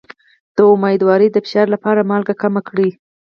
د امیدوارۍ د فشار لپاره مالګه کمه کړئ